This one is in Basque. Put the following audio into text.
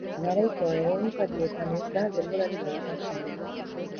Garaiko egunkarietan ez da denborarik aipatzen.